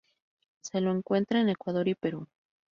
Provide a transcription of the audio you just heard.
Se lo encuentra en Ecuador y Perú.